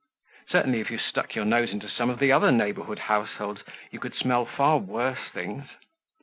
Certainly if you stuck your nose into some of the other neighborhood households you could smell far worse things.